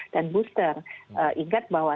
dan booster ingat bahwa